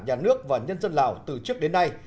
nhà nước và nhân dân lào từ trước đến nay